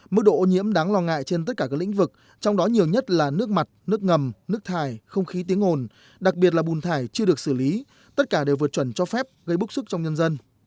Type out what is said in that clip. mức độ ô nhiễm đáng lo ngại trên tất cả các lĩnh vực trong đó nhiều nhất là nước mặt nước ngầm nước thải không khí tiếng ồn đặc biệt là bùn thải chưa được xử lý tất cả đều vượt chuẩn cho phép gây bức xúc trong nhân dân